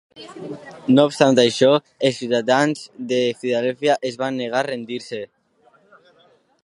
No obstant això, els ciutadans de Filadèlfia es van negar a rendir-se.